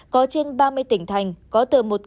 có trên ba mươi tỉnh thành có tầm